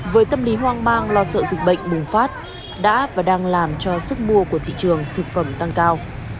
với tâm lý hoang mang lo sợ dịch bệnh bùng phát đã và đang làm cho sức mua của thị trường thực phẩm tăng cao